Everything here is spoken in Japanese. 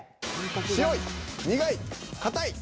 「白い」「苦い」「かたい」。